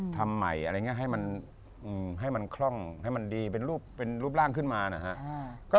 ทำใหม่อะไรอย่างนี้ให้มันคล่องให้มันดีเป็นรูปร่างขึ้นมานะครับ